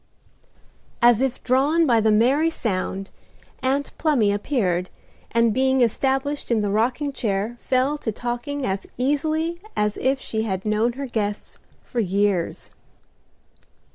As if drawn by the merry sound Aunt Plumy appeared, and being established in the rocking chair fell to talking as easily as if she had known her guests for years.